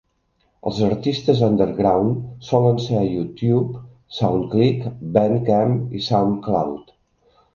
Els artistes underground solen ser a YouTube, SoundClick, Bandcamp i SoundCloud.